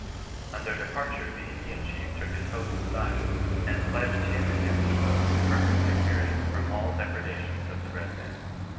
On their departure the Indian chief took his host aside, and pledged him and his people perfect security from all depredations of the red men.